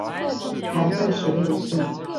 台二十六線